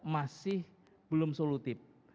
masih belum solutif